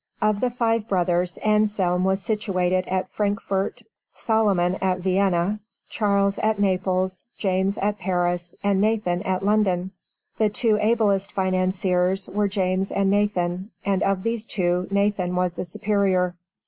Of the five brothers, Anselm was situated at Frankfort, Solomon at Vienna, Charles at Naples, James at Paris, and Nathan at London. The two ablest financiers were James and Nathan, and of these two Nathan was the superior.